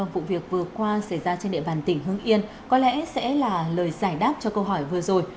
vụ việc vừa qua xảy ra trên địa bàn tỉnh hương yên có lẽ sẽ là lời giải đáp cho câu hỏi vừa rồi